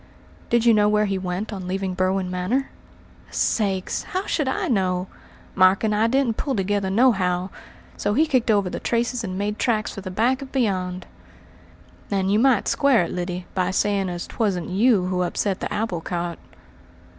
"Did you not know where he went on leaving Berwin Manor?" "Sakes! how should I? Mark and I didn't pull together nohow, so he kicked over the traces and made tracks for the back of beyond." "And you might square it, Lyddy, by saying as 'twasn't you who upset the apple cart."